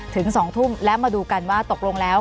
ถึง๒ทุ่มและมาดูกันว่าตกลงแล้ว